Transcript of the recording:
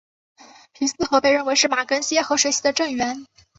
皮斯河被认为是马更些河水系的正源。